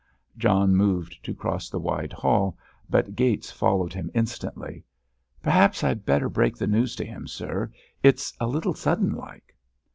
John moved to cross the wide hall, but Gates followed him instantly. "Perhaps I'd better break the news to him, sir; it's a little sudden like."